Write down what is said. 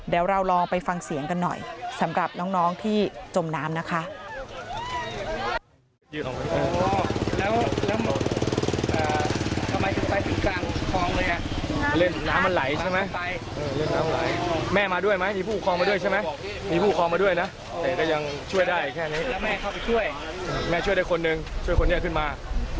เดี๋ยวเราลองไปฟังเสียงกันหน่อยสำหรับน้องที่จมน้ำนะคะ